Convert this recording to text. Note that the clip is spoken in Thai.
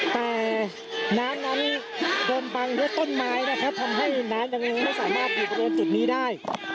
แต่น้ำนั้นดมบังด้วยต้นไม้นะครับทำให้น้ำยังไม่สามารถอยู่บริเวณจุดนี้ได้